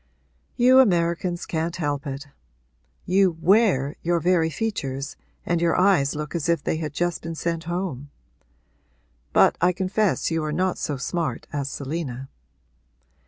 'You Americans can't help it; you "wear" your very features and your eyes look as if they had just been sent home. But I confess you are not so smart as Selina.'